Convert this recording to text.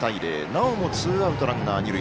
なおもツーアウトランナー、二塁。